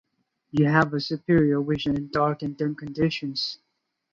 You have superior vision in dark and dim conditions.